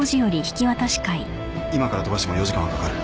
今から飛ばしても４時間はかかる。